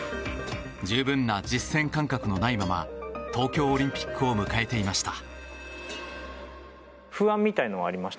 十分な実戦感覚のないまま東京オリンピックを迎えていました。